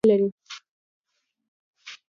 پر انسان او کرامت باور نه لري.